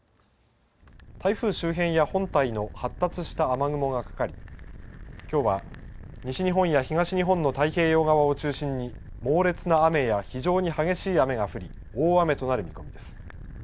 台風周辺や本体の発達した雨雲がかかり、きょうは、西日本や東日本の太平洋側を中心に猛烈な雨や非常に激しい雨が降り、大雨となる見込みです。